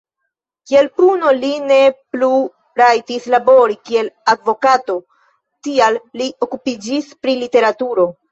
Kiel puno, li ne plu rajtis labori, kiel advokato, tial li okupiĝis pri literaturo.